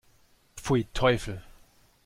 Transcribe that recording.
Pfui, Teufel!